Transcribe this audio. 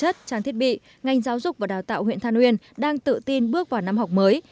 với cơ sở vật chất trang thiết bị ngành giáo dục và đào tạo huyện tha nguyên đang tự tin bước vào năm học mới